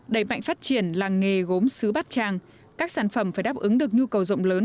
đẩy mạnh phát triển làng nghề gốm xứ bát tràng các sản phẩm phải đáp ứng được nhu cầu rộng lớn